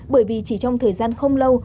bởi vì chỉ trong thời gian không lâu